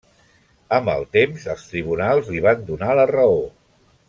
Amb el temps els tribunals li van donar la raó.